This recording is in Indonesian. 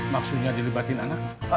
maksudnya dilibatin anak